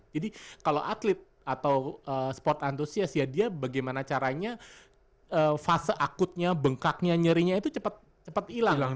jadi kalau atlet atau sport antusias ya dia bagaimana caranya fase akutnya bengkaknya nyerinya itu cepat hilang